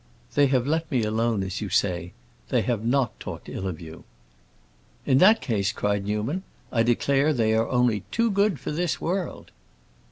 "They have let me alone, as you say. They have not talked ill of you." "In that case," cried Newman, "I declare they are only too good for this world!"